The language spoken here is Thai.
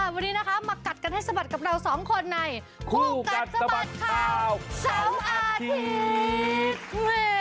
วันนี้นะคะมากัดกันให้สะบัดกับเราสองคนในคู่กัดสะบัดข่าว๓อาทิตย์